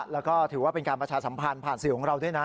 แล้วก็ถือว่าเป็นการประชาสัมพันธ์ผ่านสื่อของเราด้วยนะ